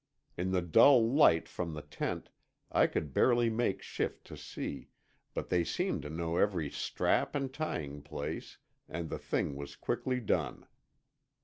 In the dull light from the tent I could barely make shift to see, but they seemed to know every strap and tying place, and the thing was quickly done.